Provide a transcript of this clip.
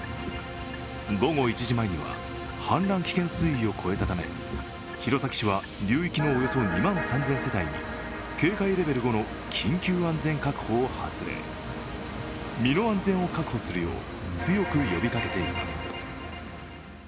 午後１時前には氾濫危険水位を超えたため弘前市は流域のおよそ２万３０００世帯に警戒レベル５の緊急安全確保を発令身の安全を確保するよう強く呼びかけています。